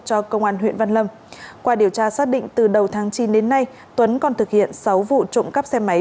cho công an huyện văn lâm qua điều tra xác định từ đầu tháng chín đến nay tuấn còn thực hiện sáu vụ trộm cắp xe máy